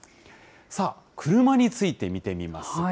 さあ、クルマについて見てみます。